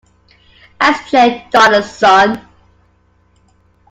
S. J. Donaldson.